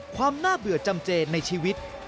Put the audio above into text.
ความน่าเบื่อจำเจนในชีวิต